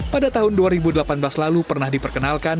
pada tahun dua ribu delapan belas lalu pernah diperkenalkan